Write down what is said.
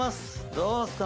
どうですか？